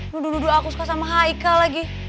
duduk duduk aku suka sama haikal lagi